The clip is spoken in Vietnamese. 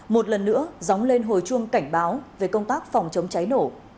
một lần nữa dóng lên hồi chuông cảnh báo về công tác phòng chống cháy nổ